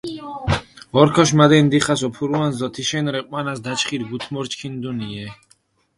ორქოში მადენი დიხას ოფურუანს დო თიშენი რე ჸვანას დაჩხირი გუთმურჩქინდუნიე.